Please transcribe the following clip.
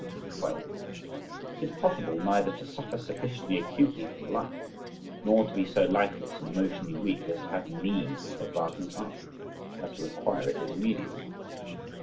12. It is possible neither to suffer sufficiently acutely from life, nor to be so lifeless and emotionally weak, as to have need of Wagner's art, as to require it as a medium.